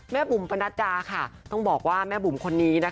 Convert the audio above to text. แม่บุหมพะนัทจาแม่บุหมคนนี้